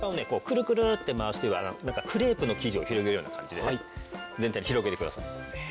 くるくるって回してなんかクレープの生地を広げるような感じで全体に広げてください。